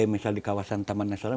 misal di kawasan taman nasional